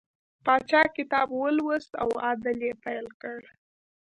پاچا کتاب ولوست او عدل یې پیل کړ.